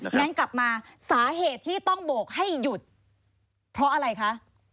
งั้นกลับมาสาเหตุที่ต้องโบกให้หยุดเพราะอะไรคะ